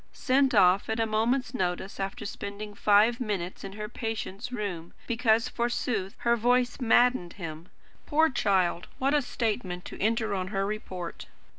sent off at a moment's notice, after spending five minutes in her patient's room, because, forsooth, her voice maddened him! Poor child! What a statement to enter on her report!